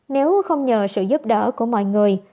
nếu không nhờ sự giúp đỡ của mọi người